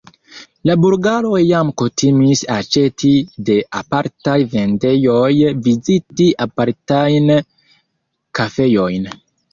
La bulgaroj jam kutimis aĉeti de apartaj vendejoj, viziti apartajn kafejojn.